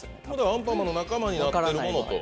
『アンパンマン』の仲間になってるものと。